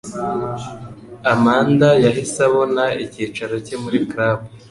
Amanda yahise abona icyicaro cye muri club